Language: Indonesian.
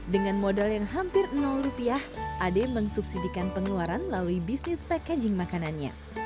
dengan modal yang hampir rupiah ade meng subsidikan pengeluaran lalui bisnis packaging makanannya